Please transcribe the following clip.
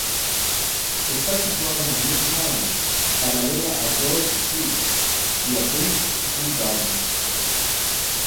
Está situada en "New Town", paralela a George Street y a Princes Street Gardens.